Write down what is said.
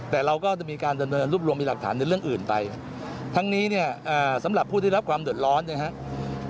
แต่เราก็จะมีการดำเนินรูปรวมมีหลักฐานในเรื่องอื่นไปทั้งนี้เนี่ยสำหรับผู้ที่รับความเดือดร้อนนะครับ